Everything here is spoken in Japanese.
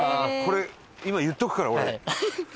これ今言っておくから俺。